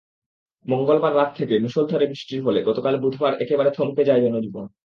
মঙ্গলবার রাত থেকে মুষলধারে বৃষ্টির ফলে গতকাল বুধবার একেবারে থমকে যায় জনজীবন।